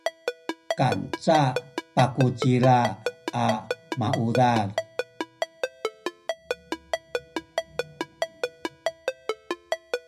kanca pakucila a maudad